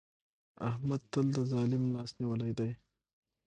احمد تل د ظالم لاس نيولی دی.